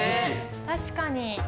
確かに。